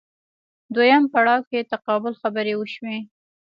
دویم پړاو کې تقابل خبرې وشوې